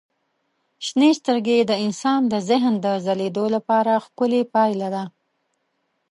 شنې سترګې د انسان د ذهن د ځلېدو لپاره ښکلي پایله ده.